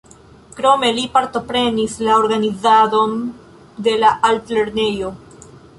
Krome li partoprenis la organizadon de la altlernejo.